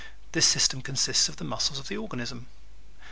This system consists of the muscles of the organism.